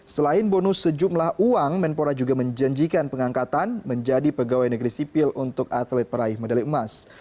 selain bonus sejumlah uang menpora juga menjanjikan pengangkatan menjadi pegawai negeri sipil untuk atlet peraih medali emas